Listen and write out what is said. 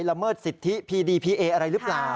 ละเมิดสิทธิพีดีพีเออะไรหรือเปล่า